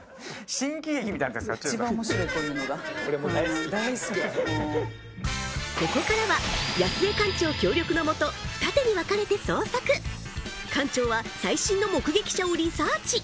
新喜劇みたいなやつやってるからここからは安江館長協力のもと二手に分かれて捜索館長は最新の目撃者をリサーチ